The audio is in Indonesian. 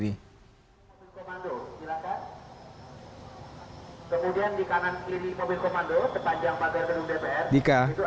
pimpinan dpr berpendapat aksi dua ratus sembilan puluh sembilan